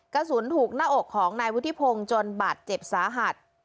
กระสุนถูกหน้าอกของนายวุฒิพงศ์จนบาดเจ็บสาหัส